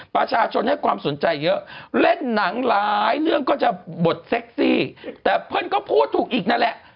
ประชาชนให้ความสนใจเยอะเล่นหนังหลายเรื่องก็จะบทเซ็กซี่แต่เพื่อนก็พูดถูกอีกนั่นแหละ